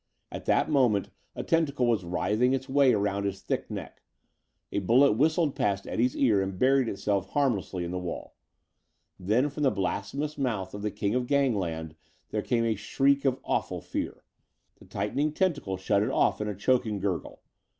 At that moment a tentacle was writhing its way around his thick neck. A bullet whistled past Eddie's ear and buried itself harmlessly in the wall. Then from the blasphemous mouth of the king of gangland there came a shriek of awful fear. The tightening tentacle shut it off in a choking gurgle.